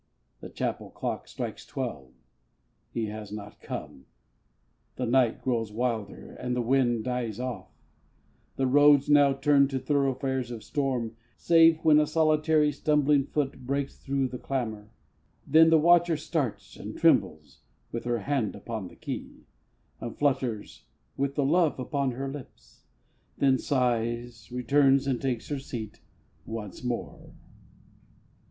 The chapel clock strikes twelve! He has not come. The night grows wilder, and the wind dies off The roads, now turned to thoroughfares of storm, Save when a solitary, stumbling foot Breaks through the clamour. Then the watcher starts, And trembles, with her hand upon the key, And flutters, with the love upon her lips; Then sighs, returns, and takes her seat once more.